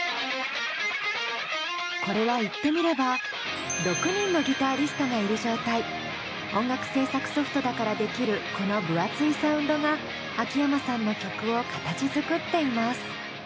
これは言ってみれば音楽制作ソフトだからできるこの分厚いサウンドが秋山さんの曲を形づくっています。